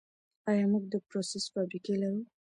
آیا موږ د پروسس فابریکې لرو؟